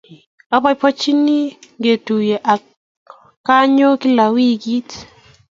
Apoipoitchini ketuye ak konyun kila wigit